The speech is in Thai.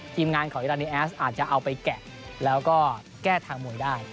ทีมงานของอิรานีแอสอาจจะเอาไปแกะแล้วก็แก้ทางมวยได้